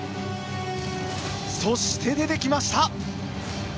そして、出てきました。